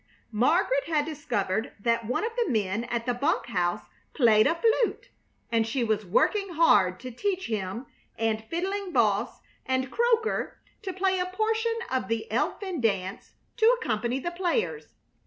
Margaret had discovered that one of the men at the bunk house played a flute, and she was working hard to teach him and Fiddling Boss and Croaker to play a portion of the elfin dance to accompany the players.